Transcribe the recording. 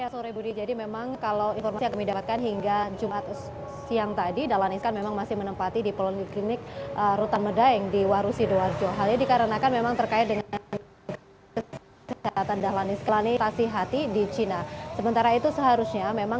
sore budi jadi memang kalau informasi yang kami dapatkan hingga jumat siang tadi dahlan iskan memang masih menempati di poliklinik rutan medaeng di warusi doarjo